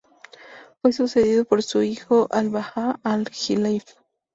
Fue sucedido por su hijo Abdallah al-Ghalib.